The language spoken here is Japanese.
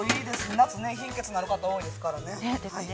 夏は貧血になる方、多いですからね。